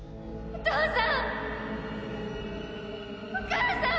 お父さん！